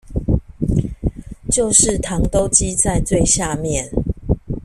就是糖都積在最下面